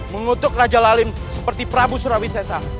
mengutuk raja lalim seperti prabu surawi sesa